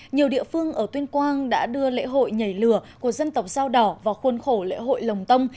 nhiều địa phương ở tuyên quang đã đưa lễ hội nhảy lửa của dân tộc dao đỏ vào khuôn khổ lễ hội lồng tông